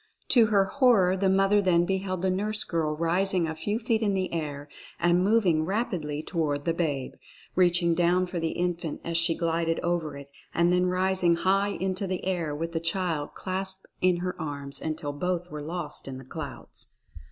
To her horror the mother then beheld the nurse girl rising a few feet in the air and moving rapidly toward the babe, reaching down for the infant as she glided over it, and then rising high into the air with the child clasped in her arms, until both were lost in the clouds.